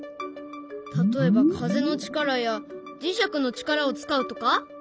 例えば風の力や磁石の力を使うとか？